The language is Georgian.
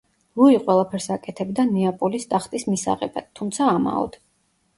ლუი ყველაფერს აკეთებდა ნეაპოლის ტახტის მისაღებად, თუმცა ამაოდ.